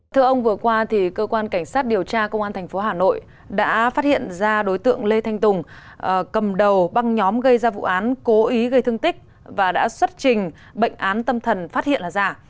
thưa ông vừa qua cơ quan cảnh sát điều tra công an tp hà nội đã phát hiện ra đối tượng lê thanh tùng cầm đầu băng nhóm gây ra vụ án cố ý gây thương tích và đã xuất trình bệnh án tâm thần phát hiện là giả